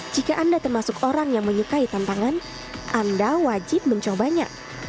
jika anda termasuk orang yang menyukai tantangan anda wajib mencobanya